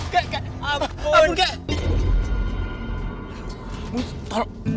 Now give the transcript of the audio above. kek kek ampun